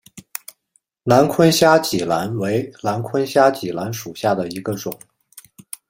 南昆虾脊兰为兰科虾脊兰属下的一个种。